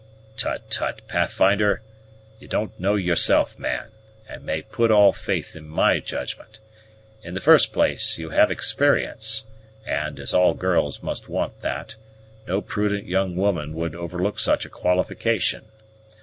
"Tut, tut, Pathfinder! You don't know yourself, man, and may put all faith in my judgment. In the first place you have experience; and, as all girls must want that, no prudent young woman would overlook such a qualification.